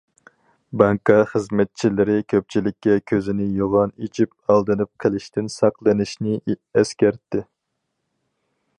بانكا خىزمەتچىلىرى كۆپچىلىككە كۆزىنى يوغان ئېچىپ، ئالدىنىپ قېلىشتىن ساقلىنىشنى ئەسكەرتتى.